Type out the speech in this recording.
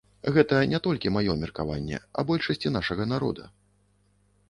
Гэта не толькі маё меркаванне, а большасці нашага народа.